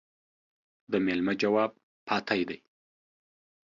د ميلمه جواب پاتى دى.